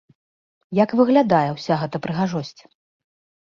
Як выглядае ўся гэта прыгажосць?